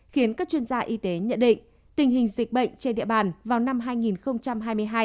khiến các chuyên gia y tế nhận định tình hình dịch bệnh trên địa bàn vào năm hai nghìn hai mươi hai